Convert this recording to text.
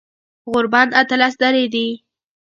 غوربند اتلس درې دی